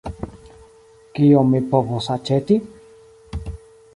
Kion mi povos aĉeti?